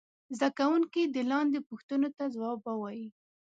زده کوونکي دې لاندې پوښتنو ته ځواب ووايي.